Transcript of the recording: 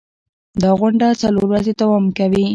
دا غونډه څلور ورځې دوام کوي.